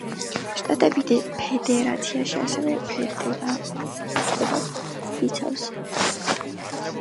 შტატები ფედერაციაში ასევე ფედერალურ წყობას იცავს.